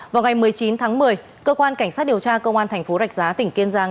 vào ngày một mươi chín tháng một mươi cơ quan cảnh sát điều tra công an thành phố rạch giá tỉnh kiên giang